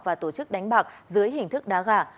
và tổ chức đánh bạc dưới hình thức đá gà